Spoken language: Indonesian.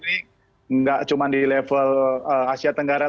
tidak cuma di level asia tenggara